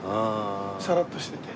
さらっとしてて。